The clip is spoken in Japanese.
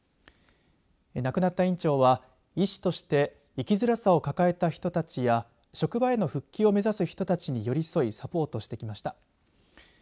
亡くなった院長は医師として生きづらさを抱えた人たちや職場への復帰を目指す人たちに寄り添いサポートしてきました。